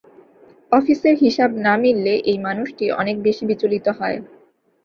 অফিসের হিসাব না-মিললে এই মানুষটি অনেক বেশি বিচলিত হয়।